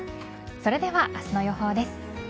それでは明日の予報です。